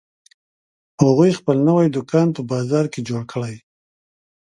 هغوی خپل نوی دوکان په بازار کې جوړ کړی